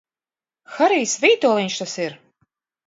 Harijs Vītoliņš tas ir!